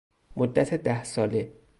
مدت ده ساله